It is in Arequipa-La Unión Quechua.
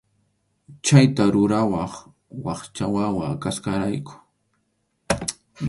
Chayta rurawaq wakcha wawa kasqayrayku.